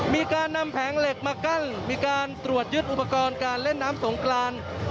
มีการนำแผงเหล็กมากั้นมีการตรวจยึดอุปกรณ์การเล่นน้ำสงกราน